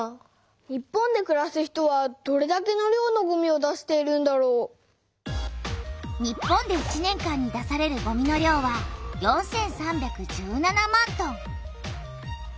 日本でくらす人はどれだけの量のごみを出しているんだろう？日本で１年間に出されるごみの量は４３１７万トン。